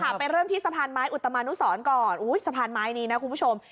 ไปเริ่มที่สะพานไม้อุตมานุสรก่อนอุ้ยสะพานไม้นี้นะคุณผู้ชม